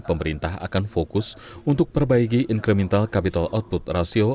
pemerintah akan fokus untuk perbaiki incremental capital output ratio